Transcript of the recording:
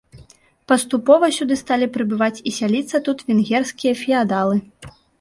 Паступова сюды сталі прыбываць і сяліцца тут венгерскія феадалы.